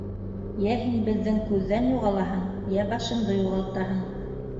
—Йә һин беҙҙең күҙҙән юғалаһың, йә башыңды юғалтаһың.